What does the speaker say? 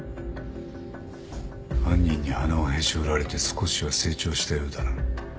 犯人に鼻をへし折られて少しは成長したようだな。